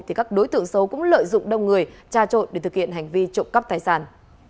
thì các đối tượng xấu cũng lợi dụng đông người tra trộn để thực hiện hành vi trộm cắp tài sản